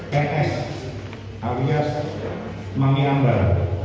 ps alias mami ambar